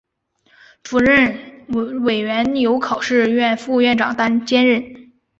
主任委员由考试院副院长兼任。